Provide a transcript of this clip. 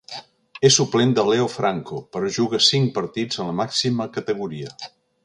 És suplent de Leo Franco, però juga cinc partits a la màxima categoria.